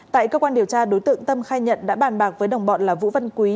tại cơ quan điều tra đối tượng tâm khai nhận đã bàn bạc với đồng bọn là vũ văn quý